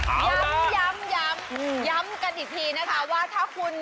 เอาล่ะย้ำย้ำย้ำย้ำกันอีกทีนะครับว่าถ้าคุณ